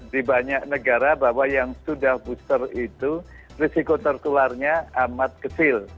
di banyak negara bahwa yang sudah booster itu risiko tertularnya amat kecil